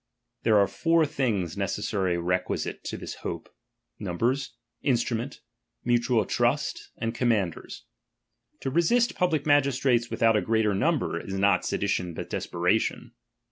There are four things necessarily requisite to this hope. Numbers, instruments, mutual trust, and commanders. To resist public magistrates without a great number, is not sedi tion, but desperation.